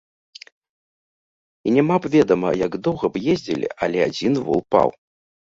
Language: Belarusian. І няма б ведама, як доўга б ездзілі, але адзін вол паў.